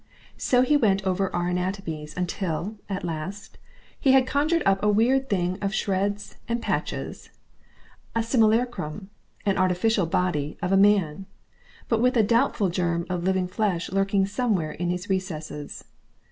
So he went over our anatomies, until, at last, he had conjured up a weird thing of shreds and patches, a simulacrum, an artificial body of a man, with but a doubtful germ of living flesh lurking somewhere in his recesses.